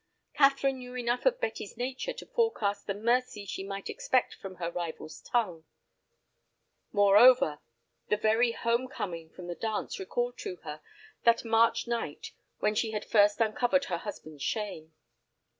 Catherine knew enough of Betty's nature to forecast the mercy she might expect from her rival's tongue. Moreover, the very home coming from the dance recalled to her that March night when she had first uncovered her husband's shame.